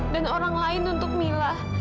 dan orang lain untuk mila